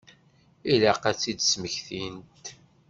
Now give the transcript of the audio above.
Ilaq ad tt-id-smektint.